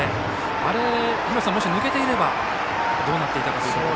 あれがもし抜けていればどうなっていたかという。